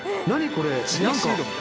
何これ？